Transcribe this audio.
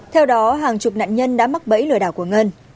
theo đó hàng chục nạn nhân đã mắc bẫy lừa đảo của ngân